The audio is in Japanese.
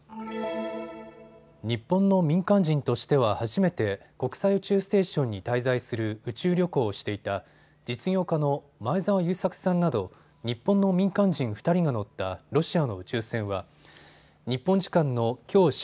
日本の民間人としては初めて国際宇宙ステーションに滞在する宇宙旅行をしていた実業家の前澤友作さんなど日本の民間人２人が乗ったロシアの宇宙船は日本時間のきょう正